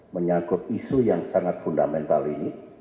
menyangkut isu yang sangat fundamental ini